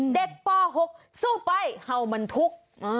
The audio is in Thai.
เด็กป๖สู้ไปเห้ามันทุกข์